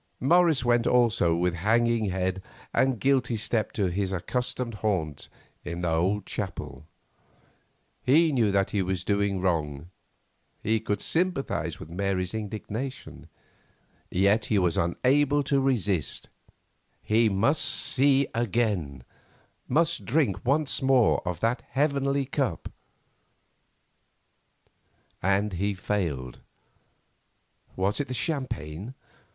Morris went also with hanging head and guilty step to his accustomed haunt in the old chapel. He knew that he was doing wrong; he could sympathise with Mary's indignation. Yet he was unable to resist, he must see again, must drink once more of that heavenly cup. And he failed. Was it the champagne?